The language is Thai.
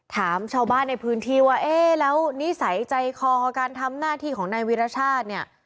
ถามชาวบ้านในพื้นที่ว่าเอ๊ะแล้วนิสัยใจคอการทำหน้าที่ของนายวิรชาติเนี่ย